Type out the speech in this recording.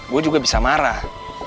gue juga bisa marah